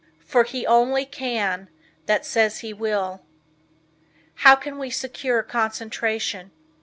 For he only can That says he will. How can we secure concentration?